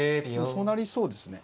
そうなりそうですね。